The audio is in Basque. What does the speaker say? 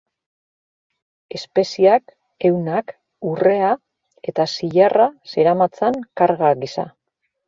Espeziak, ehunak, urrea eta zilarra zeramatzan karga gisa.